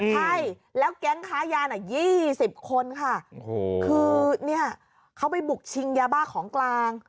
ใช่แล้วแก๊งค้ายาน่ะ๒๐คนค่ะคือเนี่ยเขาไปบุกชิงยาบ้าของกลาง